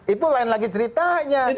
itu lain lagi ceritanya